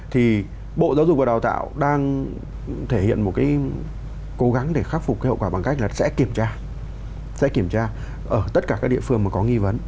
thì bộ giáo dục và đào tạo đang thể hiện một cái cố gắng để khắc phục cái hậu quả bằng cách là sẽ kiểm tra sẽ kiểm tra ở tất cả các địa phương mà có nghi vấn